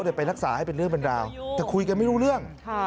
เดี๋ยวไปรักษาให้เป็นเรื่องเป็นราวแต่คุยกันไม่รู้เรื่อง